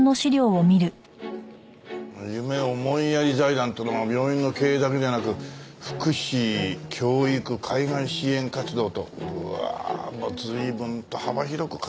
夢思いやり財団っていうのは病院の経営だけじゃなく福祉教育海外支援活動とうわあ随分と幅広く活動してるなあ。